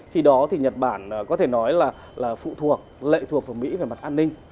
khi đó thì nhật bản có thể nói là phụ thuộc lệ thuộc vào mỹ về mặt an ninh